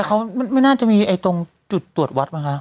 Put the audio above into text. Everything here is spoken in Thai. แต่เขาไม่น่าจะมีไอ้ตรงจุดตรวจไหมคะ